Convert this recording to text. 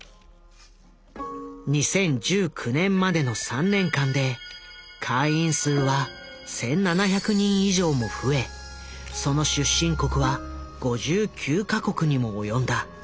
２０１９年までの３年間で会員数は１，７００人以上も増えその出身国は５９カ国にも及んだ。